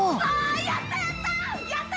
やったやった！